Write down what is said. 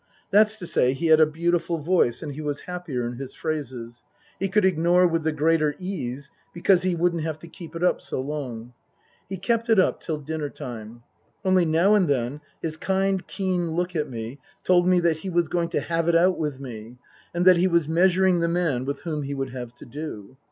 That's to say, he had a beautiful voice and he was happier in his phrases. He could ignore with the greater ease because he wouldn't have to keep it up so long. He kept it up till dinner time. Only now and then his kind, keen look at me told me that he was going to have it out with me, and that he was measuring the man with whom he would have to do.